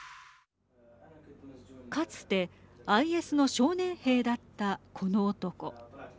かつてＩＳの少年兵だったこの男。